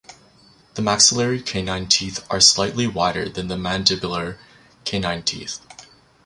The maxillary canine teeth are slightly wider than the mandibular canine teeth.